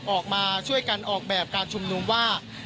ออกมาช่วยกันออกแบบการชุมนุมว่า